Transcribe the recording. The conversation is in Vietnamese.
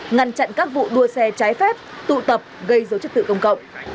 ngăn chặn các vụ đua xe trái phép tụ tập gây dấu chức tự công cộng